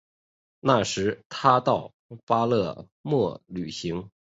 那时他到巴勒莫旅行。